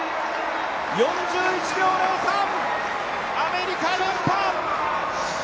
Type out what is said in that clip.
４１秒０３、アメリカ連覇！